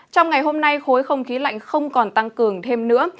trong ngày hôm nay khối không khí lạnh không còn tăng cường thêm nữa